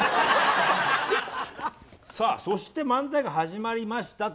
そして漫才が始まりましたと。